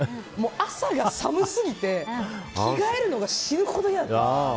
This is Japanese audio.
朝が寒すぎて着替えるのが死ぬほど嫌で。